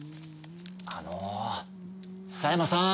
あの狭山さん。